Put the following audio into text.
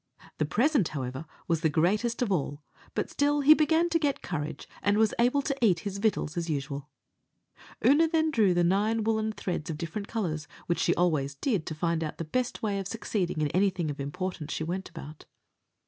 The present, however, was the greatest of all; but still he began to get courage, and was able to eat his victuals as usual. Oonagh then drew the nine woollen threads of different colours, which she always did to find out the best way of succeeding in anything of importance she went about.